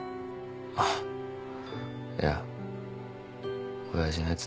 あっいや親父のやつ